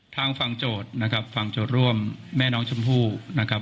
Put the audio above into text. ทางฝั่งโจทย์นะครับฝั่งโจทย์ร่วมแม่น้องชมพู่นะครับ